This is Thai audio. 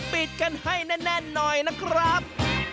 ปิดกันให้แน่นหน่อยนะครับ